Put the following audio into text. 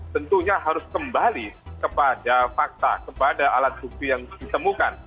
tentunya harus kembali kepada fakta kepada alat bukti yang ditemukan